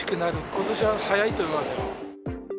ことしは早いと思いますよ。